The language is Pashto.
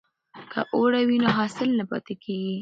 که اوړی وي نو حاصل نه پاتیږي.